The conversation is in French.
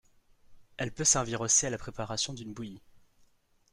Elle peut servir aussi à la préparation d'une bouillie.